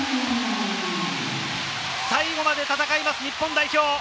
最後まで戦います、日本代表。